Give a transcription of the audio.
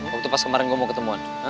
waktu pas kemarin gue mau ketemuan